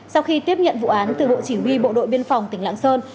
sau khi tiếp nhận vụ án từ bộ chỉ huy bộ đội biên phòng tỉnh lạng sơn